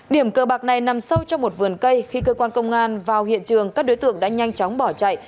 điểm cơ bạc này nằm sâu trong một vườn cây khi cơ quan công an vào hiện trường các đối tượng đã nhanh chóng bỏ chạy